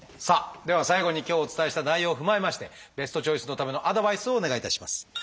さあでは最後に今日お伝えした内容を踏まえましてベストチョイスのためのアドバイスをお願いいたします。